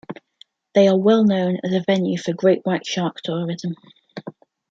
They are well known as a venue for great white shark tourism.